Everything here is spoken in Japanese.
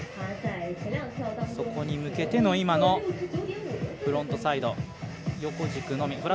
そこに向けての今のフロントサイド横軸のみ。